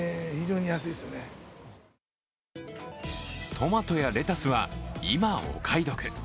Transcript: トマトやレタスは今、お買い得。